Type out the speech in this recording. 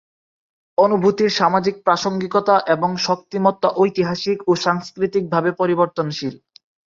অনুভূতির সামাজিক প্রাসঙ্গিকতা এবং শক্তিমত্তা ঐতিহাসিক ও সাংস্কৃতিকভাবে পরিবর্তনশীল।